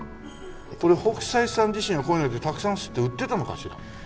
北斎さん自身はこういうのってたくさん刷って売ってたのかしら？